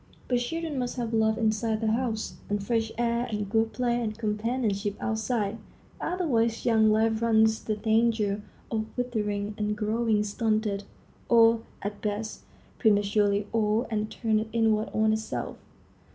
But children must have love inside the house, and fresh air and good play and companionship outside; otherwise young life runs the danger of withering and growing stunted, or, at best, prematurely old and turned inward on itself.